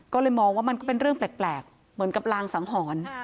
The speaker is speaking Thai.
ก็เลยมองว่ามันก็เป็นเรื่องแปลกเหมือนกับรางสังหรณ์